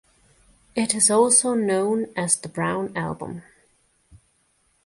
It is also known as The Brown Album.